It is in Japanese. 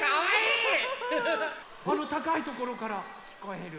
あのたかいところからきこえる！